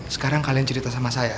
sekarang kalian cerita sama saya